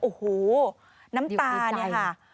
โอ้โหน้ำตาเนี่ยค่ะ